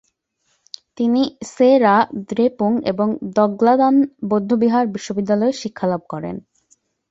তিনি সে-রা, দ্রেপুং এবং দ্গা'-ল্দান বৌদ্ধবিহার বিশ্ববিদ্যালয়ে শিক্ষালাভ করেন।